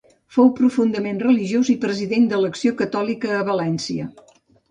Fou profundament religiós i president d'Acció Catòlica a València.